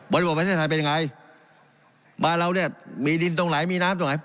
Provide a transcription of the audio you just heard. บริบัติแผนเศรษฐานเป็นไงบ้านเราเนี่ยมีดินตรงไหนมีน้ำตรงไหน